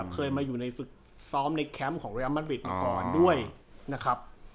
เคยมาอยู่ในฟลึกซ้อมเน็กแคมป์ของเรียลมะริตก่อนด้วยนะครับ